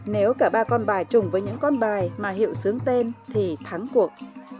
nếu cả ba con bài trùng với những con bài mà hiệu sướng tên thì thắng cuộc